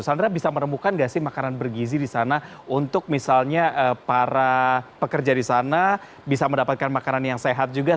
sandra bisa merembukan gak sih makanan bergizi disana untuk misalnya para pekerja disana bisa mendapatkan makanan yang sehat juga